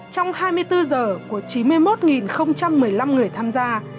trong hai mươi bốn giờ của chín mươi một một mươi năm người tham gia